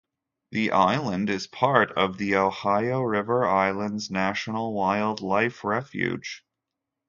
The island is a part of the Ohio River Islands National Wildlife Refuge.